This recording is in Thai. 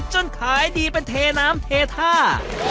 ขายดีเป็นเทน้ำเทท่า